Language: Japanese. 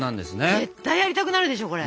絶対やりたくなるでしょこれ。